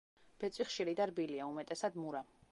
ბეწვი ხშირი და რბილია, უმეტესად მურა.